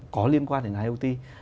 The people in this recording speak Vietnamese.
có liên quan đến iot